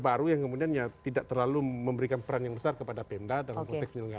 karena tidak terlalu memberikan peran yang besar kepada pemba dan politik milenial